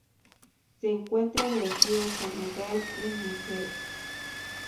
Se encuentra en los ríos Senegal y Níger.